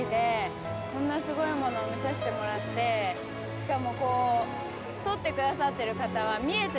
しかも。